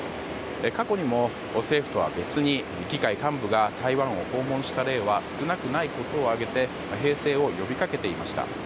過去にも、政府とは別に議会幹部が台湾を訪問した例は少なくはないことを挙げて平静を呼びかけていました。